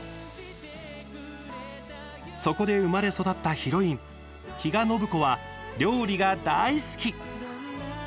そこで生まれ育ったヒロイン比嘉暢子は料理が大好き。